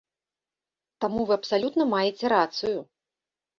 Таму вы абсалютна маеце рацыю.